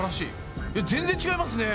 全然違いますね！